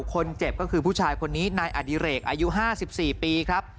คนเจ็บก็คือผู้ชายคนนี้นายอดิเรกอายุ๕๔ปีครับ